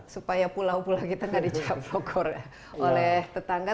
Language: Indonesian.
supaya pulau pulau kita gak dicapok oleh tetangga